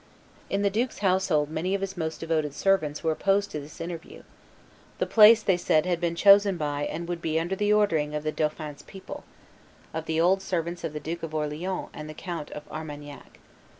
In the duke's household many of his most devoted servants were opposed to this interview; the place, they said, had been chosen by and would be under the ordering of the dauphin's people, of the old servants of the Duke of Orleans and the Count of Armagnac.